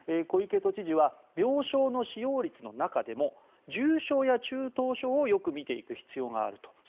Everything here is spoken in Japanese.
小池都知事は病床の使用率の中でも重症や中等症をよく見ていく必要があると。